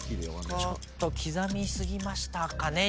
ちょっと刻みすぎましたかね